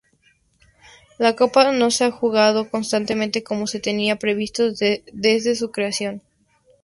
La copa no se ha jugado constantemente como se tenía previsto desde su creación.